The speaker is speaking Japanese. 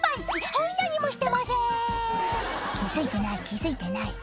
「はい何もしてません気付いてない気付いてない」